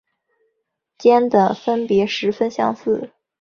间的分别十分相似。